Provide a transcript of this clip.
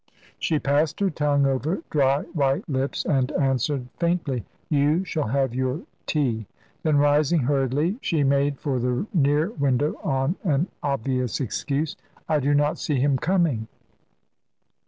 She passed her tongue over dry, white lips, and answered faintly. "You shall have your tea." Then, rising hurriedly, she made for the near window on an obvious excuse. "I do not see him coming."